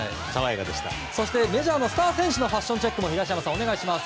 そしてメジャーのスター選手のファッションチェックも東山さん、お願いします。